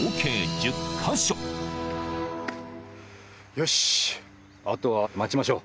よし！